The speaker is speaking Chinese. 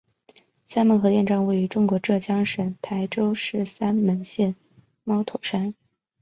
三门核电站位于中国浙江省台州市三门县猫头山。